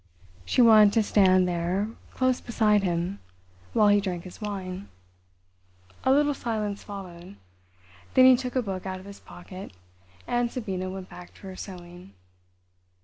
She wanted to stand there, close beside him, while he drank his wine. A little silence followed. Then he took a book out of his pocket, and Sabina went back to her sewing.